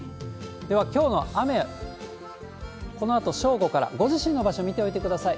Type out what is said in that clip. ではきょうの雨、このあと正午からご自身の場所見ておいてください。